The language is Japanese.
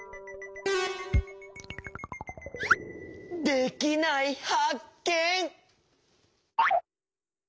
できないはっけん！